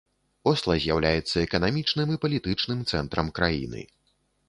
Осла з'яўляецца эканамічным і палітычным цэнтрам краіны.